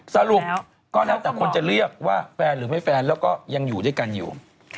สรุปก็แล้วแต่คนจะเรียกว่าแฟนหรือไม่แฟนแล้วก็ยังอยู่ด้วยกันอยู่